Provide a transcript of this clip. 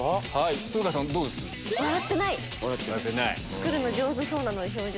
作るの上手そうなので表情。